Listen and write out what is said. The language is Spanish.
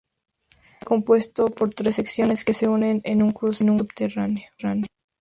Está compuesto por tres secciones que se unen en un cruce subterráneo.